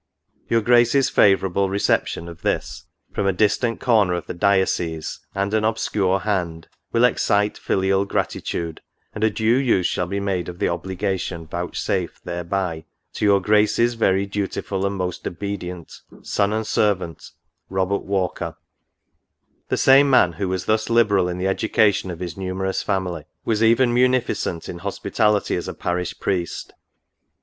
Your Grace's favourable reception of this, from a E 4 56 NOTES. distant corner of the diocese, and an obscure hand, will excite filial gratitude, and a due use shall be made of the obligation vouchsafed thereby to " Your Grace's very dutiful and most obedient Son and Servant, «' Robert Walker/' The same man, ^ho tvas thus liberal in the education of his numerous family, was even munificent in hospitality as a parish priest.